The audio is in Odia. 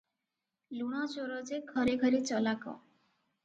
ଲୁଣଚୋର ଯେ ଘରେ ଘରେ ଚଲାକ ।